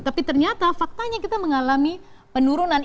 tapi ternyata faktanya kita mengalami penurunan